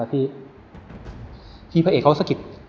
พี่เข้าสกิพ